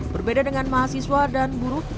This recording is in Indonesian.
berbeda dengan mahasiswa dan buruh